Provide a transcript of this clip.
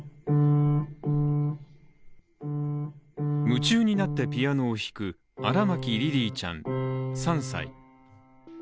夢中になってピアノを弾く荒牧リリィちゃん３歳。